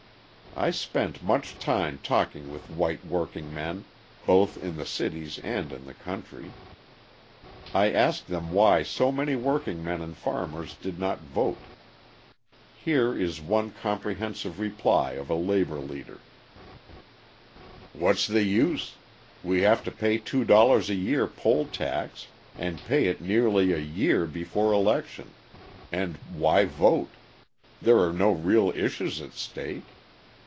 I spent much time talking with white workingmen, both in the cities and in the country. I asked them why so many workingmen and farmers did not vote. Here is one comprehensive reply of a labour leader: "What's the use? We have to pay two dollars a year poll tax, and pay it nearly a year before election. And why vote? There are no real issues at stake.